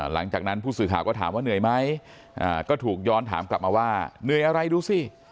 หลังจากนั้นผู้สื่อข่าวก็ถามว่าเหนื่อยไหมก็ถูกย้อนถามกลับมาว่าเหนื่อยอะไรดูสิ